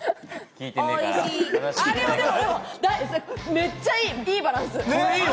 めっちゃいいバランス。